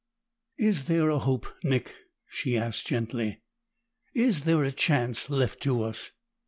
"Is there a hope, Nick?" she asked gently. "Is there a chance left to us?"